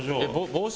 帽子？